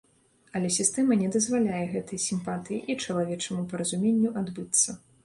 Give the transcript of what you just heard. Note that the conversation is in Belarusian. Але сістэма не дазваляе гэтай сімпатыі і чалавечаму паразуменню адбыцца.